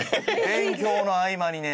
勉強の合間にね